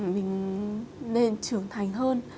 mình nên trưởng thành hơn